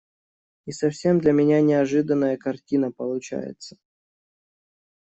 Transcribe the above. И совсем для меня неожиданная картина получается.